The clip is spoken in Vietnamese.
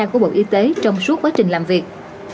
của bộ y tế trong suốt quá trình làm việc